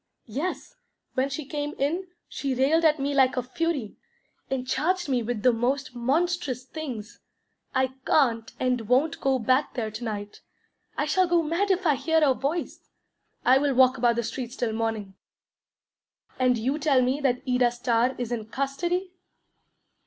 "Yes. When she came in, she railed at me like a fury, and charged me with the most monstrous things. I can't and won't go back there to night! I shall go mad if I hear her voice. I will walk about the streets till morning." "And you tell me that Ida Starr is in custody?"